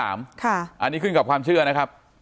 อันนี้ขึ้นกับความเชื่อนะครับ